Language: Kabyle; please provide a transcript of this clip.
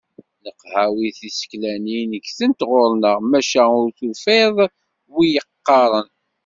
Leqhawi tiseklanin ggtent ɣur-neɣ, maca ur tufiḍ wi yeqqaren.